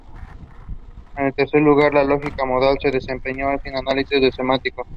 En tercer lugar, la lógica modal se desarrolló sin un análisis semántico.